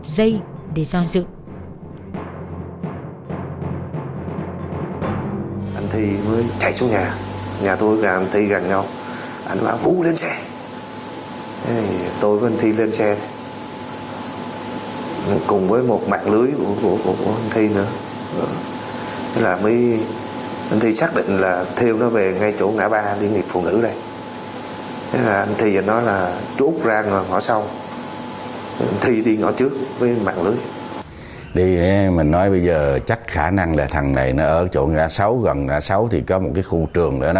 đi mình nói bây giờ chắc khả năng là thằng này nó ở chỗ ngã sáu gần ngã sáu thì có một cái khu trường